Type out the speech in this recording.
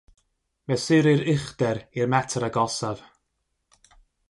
Mesurir uchder i'r metr agosaf.